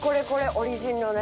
オリジンのね。